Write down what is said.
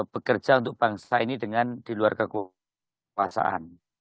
bekerja untuk bangsa ini dengan di luar kekuasaan